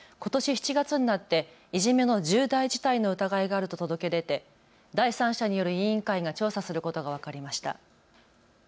７月になっていじめの重大事態の疑いがあると届け出て第三者による委員会が調査することが分かりました。